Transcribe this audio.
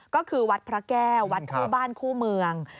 ก็คือวัดพระแก้ววัดคู่บ้านคู่เมือง